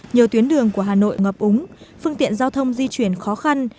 nhiều tuyến đường của hà nội ngập úng phương tiện giao thông di chuyển khó khăn